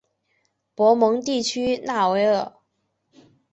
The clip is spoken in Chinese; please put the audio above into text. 博蒙地区讷维尔。